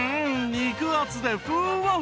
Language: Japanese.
肉厚でふわっふわ！